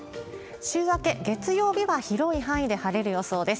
週明け月曜日は広い範囲で晴れる予想です。